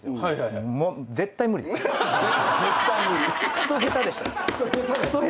クソ下手でした。